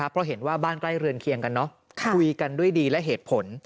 เพราะเห็นว่าบ้านใกล้เรือนเคียงกันคุยกันด้วยดีและเหตุผล